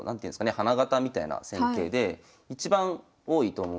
花形みたいな戦型で一番多いと思うんですよ。